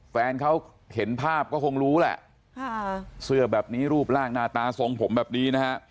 แฟนเขาเห็นภาพก็คงรู้แหละค่ะเสื้อแบบนี้รูปร่างหน้าตาทรงผมแบบนี้นะฮะ